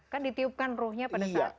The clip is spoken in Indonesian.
kan ditiupkan ruhnya pada saat